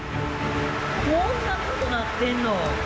こんなことなってんの？